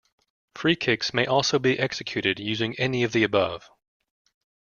Freekicks may also be executed using any of the above.